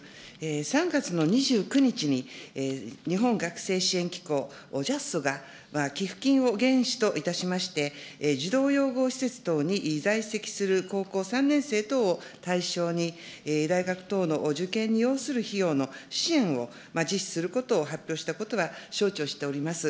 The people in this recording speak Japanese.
３月の２９日に、日本学生支援機構・が寄付金を原資といたしまして、児童養護施設等に在籍する高校３年生等を対象に、大学等の受験に要する費用の支援を実施することを発表したことは承知をしております。